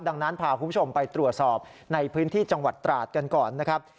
ดังนั้นพาคุณผู้ชมไปตรวจสอบในพื้นที่จังหวัดตราดกันก่อนนะครับ